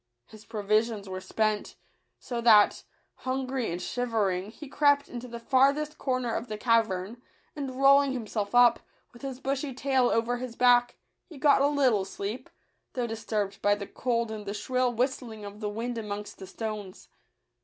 His provisions were spent ; so that, hungry and shivering, he crept into the far thest corner of the cavern, and rolling him self up, with his bushy tail over his back, he got a little sleep, though disturbed by the cold and the shrill whistling of the wind amongst the stones.